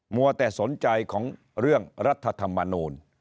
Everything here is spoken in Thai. วัวแต่สนใจของเรื่องรัฐธรรมนูล